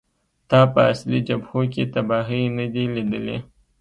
تا په اصلي جبهو کې تباهۍ نه دي لیدلې